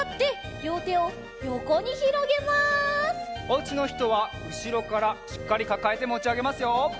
おうちのひとはうしろからしっかりかかえてもちあげますよ。